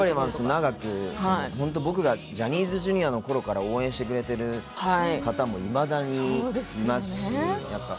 長く、本当に僕がジャニーズＪｒ．のころから応援してくれてる方もいまだにいますし。